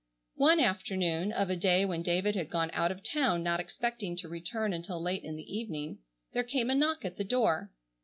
One afternoon, of a day when David had gone out of town not expecting to return until late in the evening, there came a knock at the door.